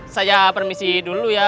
saya permisi dulu ya